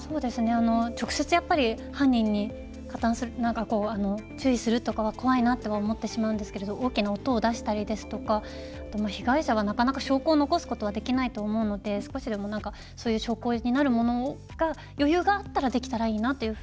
直接、やっぱり犯人に注意するとかは怖いなとは思ってしまうんですけれど大きな音を出したりですとか被害者がなかなか証拠を残すことはできないと思うので少しでも証拠になるものが余裕があったらできたらいいなという